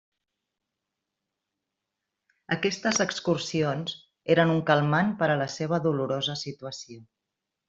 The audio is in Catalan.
Aquestes excursions eren un calmant per a la seua dolorosa situació.